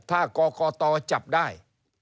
ถ้าก่อก่อต่อจับได้